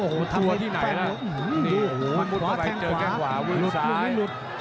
โอ้โหทำให้แฟนเหลือโอ้โหมันมุดเข้าไปเจอแค่งขวาหุ่นซ้าย